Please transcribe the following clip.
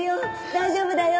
大丈夫だよ。